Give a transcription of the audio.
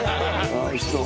あーおいしそう。